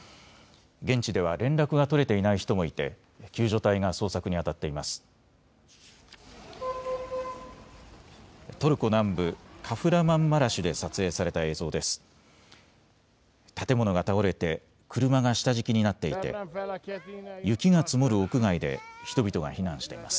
現地では連絡が取れていない人もいて救助隊が捜索にあたっています。